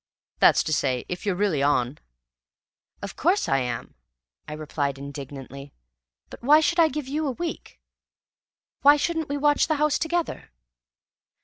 That's to say, if you're really on?" "Of course I am," I replied indignantly. "But why should I give you a week? Why shouldn't we watch the house together?"